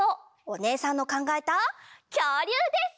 おねえさんのかんがえたきょうりゅうです！